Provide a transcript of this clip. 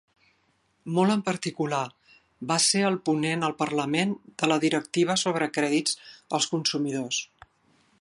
Molt en particular, va ser el ponent al parlament de la directiva sobre crèdits als consumidors.